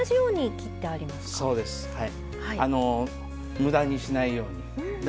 むだにしないように。